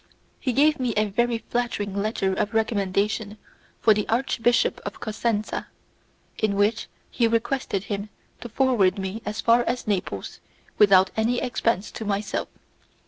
He gave me a very flattering letter of recommendation for the Archbishop of Cosenza, in which he requested him to forward me as far as Naples without any expense to myself.